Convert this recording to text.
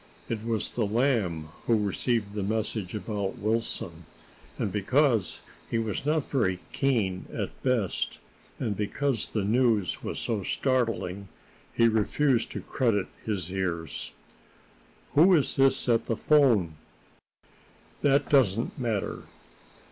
It was the Lamb who received the message about Wilson; and because he was not very keen at the best, and because the news was so startling, he refused to credit his ears. "Who is this at the 'phone?" "That doesn't matter.